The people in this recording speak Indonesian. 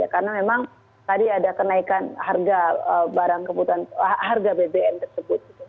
karena memang tadi ada kenaikan harga bbm tersebut